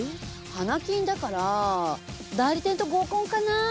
花金だから代理店と合コンかな？